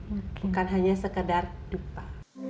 bukan hanya sekedar dupa